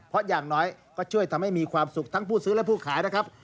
เพราะอย่างน้อยก็ช่วยทำให้มีความสุขทั้งผู้ซื้อและผู้ขายนะครับ